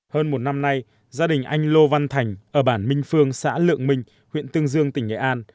hơn một năm nay gia đình anh lô văn thành ở bản minh phương xã lượng minh huyện tương dương tỉnh nghệ an